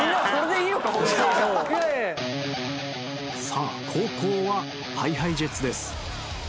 さあ後攻はＨｉＨｉＪｅｔｓです。